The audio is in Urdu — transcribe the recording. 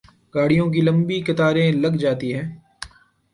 گاڑیوں کی لمبی قطاریں لگ جاتی ہیں۔